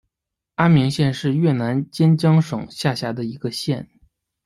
安明县是越南坚江省下辖的一个县。